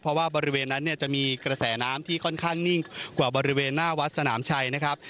เพราะว่าบริเวณนั้นเนี่ยจะมีกระแสน้ำที่ค่อนข้างนิ่งกว่าบริเวณหน้าวัดสนามชัยนะครับ